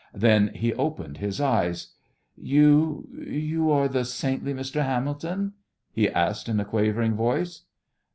Then he opened his eyes. "You you are the saintly Mr. Hamilton?" he asked in a quavering voice.